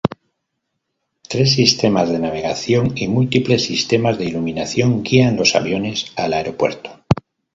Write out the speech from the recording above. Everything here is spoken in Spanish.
Tres sistemas de navegación y múltiples sistemas de iluminación guían los aviones al aeropuerto.